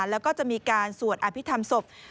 แล้วก็จะมีการสวดอภิษฐรรมศพ